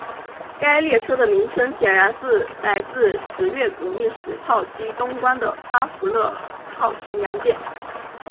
该列车的名称显然是来自十月革命时炮击冬宫的阿芙乐尔号巡洋舰。